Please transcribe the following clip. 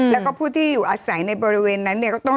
แล้วก็ผู้ที่อยู่อาศัยในบริเวณนั้น